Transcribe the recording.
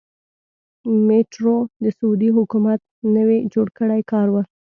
میټرو د سعودي حکومت نوی جوړ کړی کار و.